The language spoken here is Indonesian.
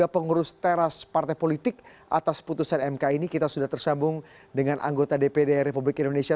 tiga pengurus teras partai politik atas putusan mk ini kita sudah tersambung dengan anggota dpd republik indonesia